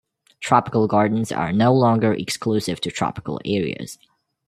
Tropical gardens are no longer exclusive to tropical areas.